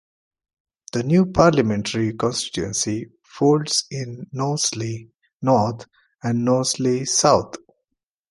The new parliamentary constituency folds in Knowsley North and Knowsley South.